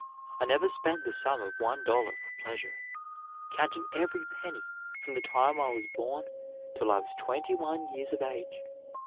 I never spent the sum of one dollar for pleasure, counting every penny from the time I was born till I was twenty one years of age.